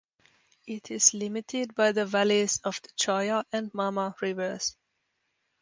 It is limited by the valleys of the Chaya and Mama rivers.